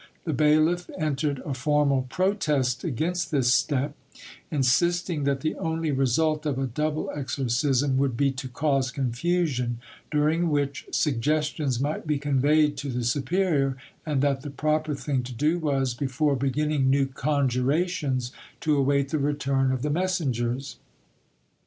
The bailiff entered a formal protest against this step, insisting that the only result of a double exorcism would be to cause confusion, during which suggestions might be conveyed to the superior, and that the proper thing to do was, before beginning new conjurations, to await the return of the messengers.